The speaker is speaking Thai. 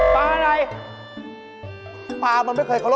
ปลาพิการ